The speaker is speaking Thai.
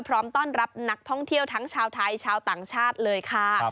พร้อมต้อนรับนักท่องเที่ยวทั้งชาวไทยชาวต่างชาติเลยค่ะ